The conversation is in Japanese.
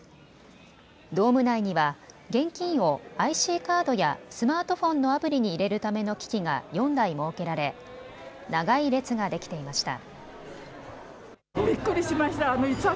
ドーム内には現金をＩＣカードやスマートフォンのアプリに入れるための機器が４台設けられ長い列ができていました。